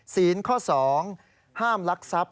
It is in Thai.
ศีลข้อสองห้ามลักษัพ